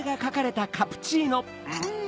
うん！